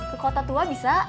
ke kota tua bisa